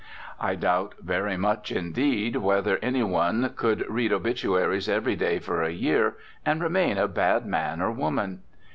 I doubt very much indeed whether any one could read obituaries every day for a year and remain a bad man or woman.